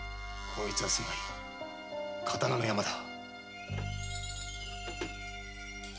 こいつはすごい刀の山だ。